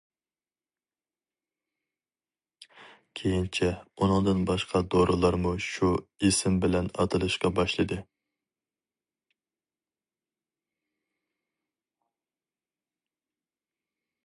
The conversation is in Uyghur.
كېيىنچە ئۇنىڭدىن باشقا دورىلارمۇ شۇ ئىسىم بىلەن ئاتىلىشقا باشلىدى.